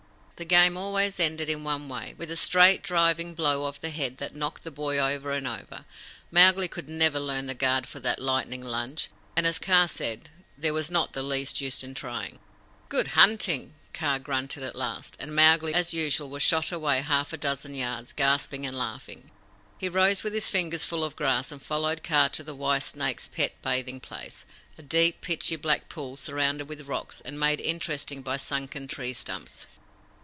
The game always ended in one way with a straight, driving blow of the head that knocked the boy over and over. Mowgli could never learn the guard for that lightning lunge, and, as Kaa said, there was not the least use in trying. "Good hunting!" Kaa grunted at last; and Mowgli, as usual, was shot away half a dozen yards, gasping and laughing. He rose with his fingers full of grass, and followed Kaa to the wise snake's pet bathing place a deep, pitchy black pool surrounded with rocks, and made interesting by sunken tree stumps.